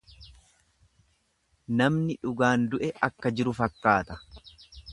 Namni dhugaan du'e akka jiru fakkaata.